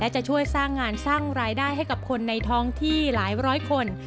จะช่วยสร้างงานสร้างรายได้ให้กับคนในท้องที่หลายร้อยคน